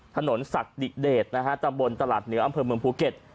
ศักดิ์ดิเดชนะฮะตำบลตลาดเหนืออำเภอเมืองภูเก็ต